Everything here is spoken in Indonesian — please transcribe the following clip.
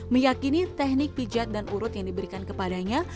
meyakini teknik pijat dan urut yang diberikan kepadanya